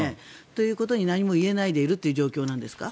そういうことに何も言えないでいるという状況なんですか？